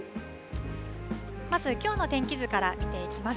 まずきょうの天気図から見ていきます。